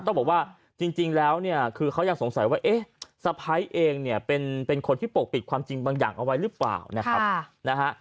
ต้องบอกว่าจริงแล้วเนี่ยคือเขายังสงสัยว่าเอ๊ะสะพ้ายเองเนี่ยเป็นคนที่ปกปิดความจริงบางอย่างเอาไว้หรือเปล่านะครับนะฮะ